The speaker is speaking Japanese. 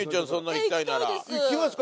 行きますか？